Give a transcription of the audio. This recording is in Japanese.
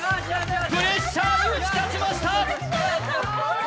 プレッシャーに打ち勝ちました！